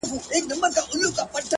څوك راته ډاډ راكوي _